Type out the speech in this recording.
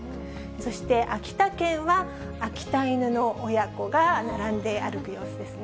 そして秋田県は秋田犬の親子が並んで歩く様子ですね。